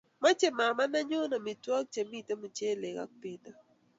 Machamei mama nenyu amitwogik chemiten mimuchelek ago bendo